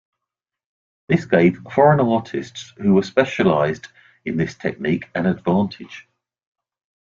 This gave foreign artists who were specialized in this technique an advantage.